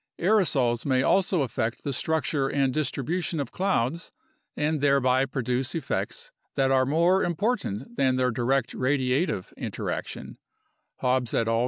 Aerosols may also affect the structure and distribution of clouds and thereby produce effects that are more im portant than their direct radiative interaction (Hobbs et al.